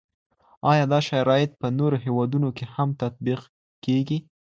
ایا دا شرایط په نورو هیوادونو کي هم تطبیق کیږي؟